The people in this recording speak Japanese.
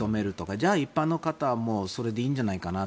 じゃあ、一般の人はもうそれでいいんじゃないかなと。